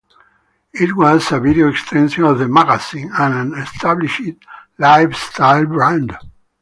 It was a video extension of the magazine - an established lifestyle brand.